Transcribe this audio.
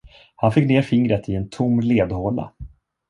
Han fick ner fingret i en tom ledhåla.